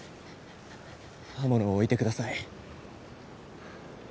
刃物を置いてください。